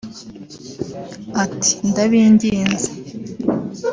Ati “Ndabinginze